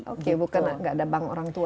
oke bukan nggak ada bank orang tua